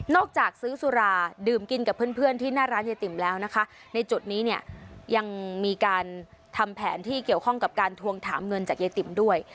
จากซื้อสุราดื่มกินกับเพื่อนที่หน้าร้านยายติ๋มแล้วนะคะในจุดนี้เนี่ยยังมีการทำแผนที่เกี่ยวข้องกับการทวงถามเงินจากยายติ๋มด้วย